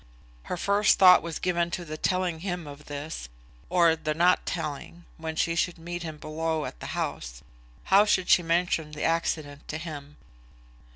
Her first thought was given to the telling him of this, or the not telling, when she should meet him below at the house. How should she mention the accident to him?